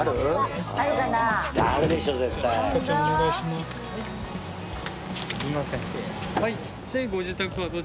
すみません。